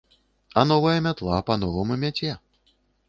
А новая мятла па-новаму мяце.